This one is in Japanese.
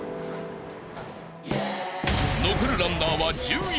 ［残るランナーは１１人］